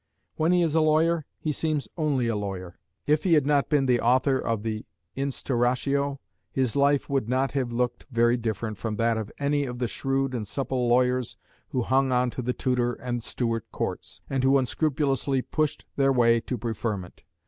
When he is a lawyer, he seems only a lawyer. If he had not been the author of the Instauratio, his life would not have looked very different from that of any other of the shrewd and supple lawyers who hung on to the Tudor and Stuart Courts, and who unscrupulously pushed their way to preferment.